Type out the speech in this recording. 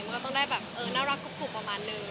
มันก็ต้องได้แบบน่ารักกลุบประมาณนึง